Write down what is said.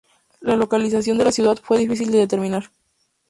La localización de la ciudad fue difícil de determinar.